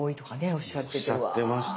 おっしゃってました。